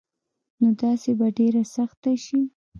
نو داسي به ډيره سخته شي